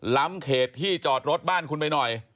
ล้ำเขตที่จอดรถบ้านคุณไปหน่อย